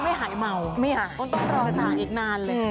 ไม่หายหายต้องรอต่างอีกนานเลย